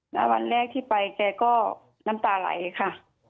แล้ววันแรกที่ไปแกก็น้ำตาไหลค่ะ